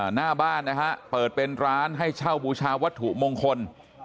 หน้าบ้านนะฮะเปิดเป็นร้านให้เช่าบูชาวัตถุมงคล